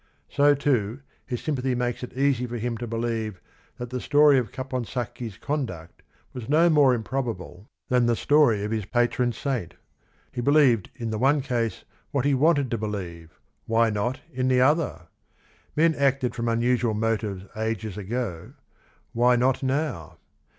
So, too, his sympathy makes it easy for him to believe that the story of Caponsacchi's conduct was no more improbable than the story of his" patro n^ saint . He believed in fhe one~case what he wanted to believe, why not in the other ? Men acted from unusual motives ages ago, why not now